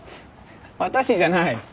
私じゃない。